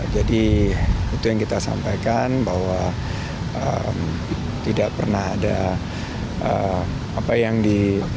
jadi itu yang kita sampaikan bahwa tidak pernah ada apa yang diperlukan